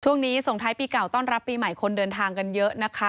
ช่วงนี้ส่งท้ายปีเก่าต้อนรับปีใหม่คนเดินทางกันเยอะนะคะ